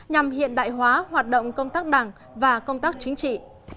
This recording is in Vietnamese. nhằm hiện đại hóa hoạt động công tác đảng và công tác chính trị